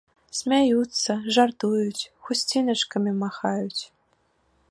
Смяюцца, жартуюць, хусціначкамі махаюць.